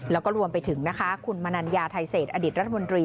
แล้วก็รวมไปถึงคุณมนัญญาไทเศสอดิษฐ์รัฐมนตรี